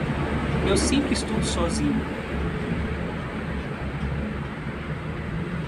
Eu sempre estudo sozinho.